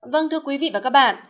vâng thưa quý vị và các bạn